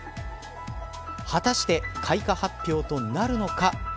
果たして開花発表となるのか。